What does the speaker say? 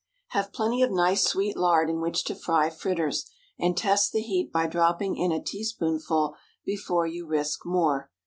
Have plenty of nice sweet lard in which to fry fritters, and test the heat by dropping in a teaspoonful before you risk more.